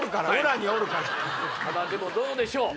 ただどうでしょう？